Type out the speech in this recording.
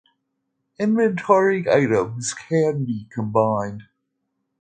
Inventory items can be combined.